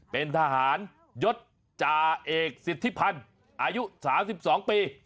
เป็นทหารยศจ่าเอกสิทธิพันธ์อายุ๓๒ปี